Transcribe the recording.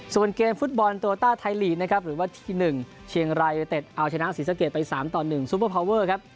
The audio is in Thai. ส่วนเกมฟุตบอลโตต้าไทยลีกนะครับหรือว่าที่๑เชียงรายยูเต็ดเอาชนะศรีสะเกดไป๓ต่อ๑ซูเปอร์พาวเวอร์ครับ